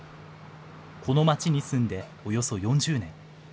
この街に住んでおよそ４０年。